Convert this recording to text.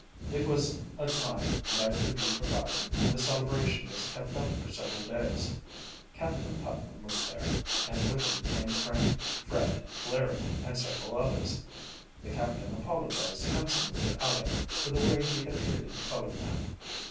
It was a time never to be forgotten, and the celebration was kept up for several days. Captain Putnam was there, and with him came Frank, Fred, Larry, and several others. The captain apologized handsomely to Aleck for the way he had treated the colored man.